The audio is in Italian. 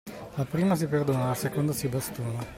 La prima si perdona, la seconda si bastona.